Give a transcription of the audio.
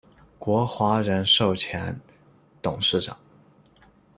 国华人寿前董事长。